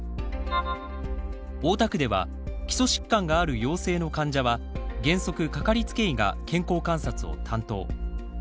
大田区では基礎疾患がある陽性の患者は原則かかりつけ医が健康観察を担当。